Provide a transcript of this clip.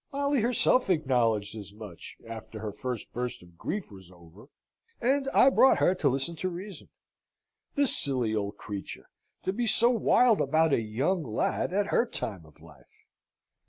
Molly herself acknowledged as much, after her first burst of grief was over, and I brought her to listen to reason. The silly old creature! to be so wild about a young lad at her time of life!"